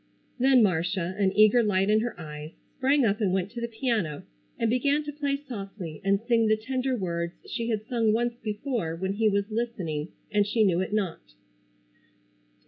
Then Marcia, an eager light in her eyes, sprang up and went to the piano, and began to play softly and sing the tender words she had sung once before when he was listening and she knew it not.